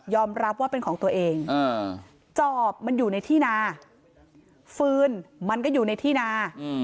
รับว่าเป็นของตัวเองจอบมันอยู่ในที่นาฟืนมันก็อยู่ในที่นา